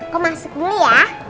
kau masuk dulu ya